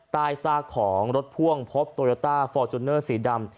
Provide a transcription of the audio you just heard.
ซากของรถพ่วงพบโตโยต้าฟอร์จูเนอร์สีดำ